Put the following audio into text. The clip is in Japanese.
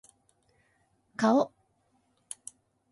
顔